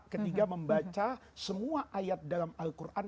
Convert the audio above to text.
ketika membaca semua ayat dalam al quran